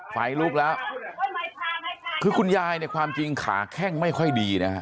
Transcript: ไฟลุกแล้วคือคุณยายเนี่ยความจริงขาแข้งไม่ค่อยดีนะฮะ